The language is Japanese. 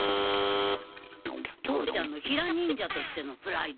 父ちゃんのヒラ忍者としてのプライド？